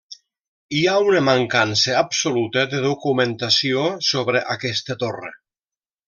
Hi ha una mancança absoluta de documentació sobre aquesta torre.